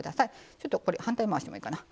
ちょっとこれ反対回してもいいかな。